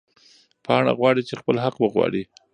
پاڼه غواړې چې خپل حق وغواړي.